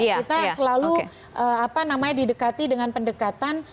kita selalu didekati dengan pendekatan